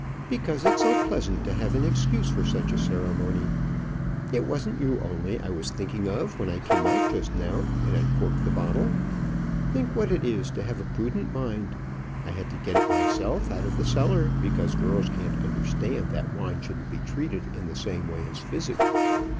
"Because it's so pleasant to have an excuse for such a ceremony. It wasn't you only I was thinking of when I came out just now, and uncorked the bottle. Think what it is to have a prudent mind. I had to get it myself out of the cellar, because girls can't understand that wine shouldn't be treated in the same way as physic.